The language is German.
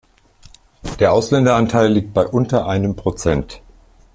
Der Ausländeranteil liegt bei unter einem Prozent.